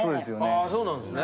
あそうなんですね。